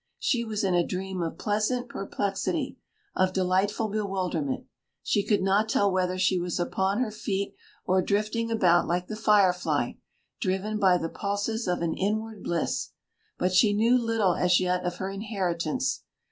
She was in a dream of pleasant perplexity, of delightful bewilderment. She could not tell whether she was upon her feet or drifting about like the fire fly, driven by the pulses of an inward bliss. But she knew little as yet of her inheritance.